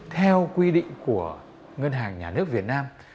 theo quy định của ngân hàng nhà nước việt nam